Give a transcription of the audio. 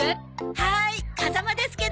はい風間ですけど。